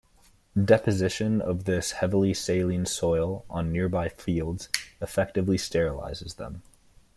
Deposition of this heavily saline soil on nearby fields effectively sterilizes them.